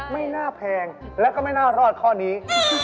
ไม่น่าแพงแล้วก็ไม่น่ารอดข้อนี้